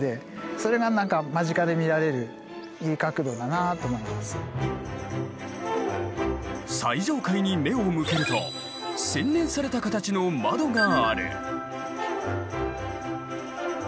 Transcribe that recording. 目を見開いて最上階に目を向けると洗練された形の窓がある。